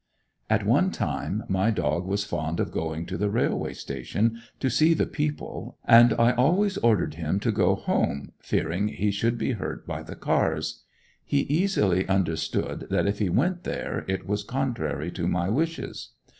At one time my dog was fond of going to the railway station to see the people, and I always ordered him to go home, fearing he should be hurt by the cars. He easily understood that if he went there, it was contrary to my wishes.